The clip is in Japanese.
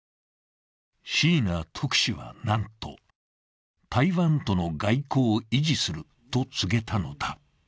椎名特使は、なんと台湾との外交を維持すると告げたのだ。